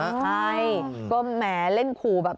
ใช่ก็แหมเล่นขู่แบบ